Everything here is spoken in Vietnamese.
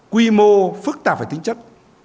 quy mô phức tạp về tính chất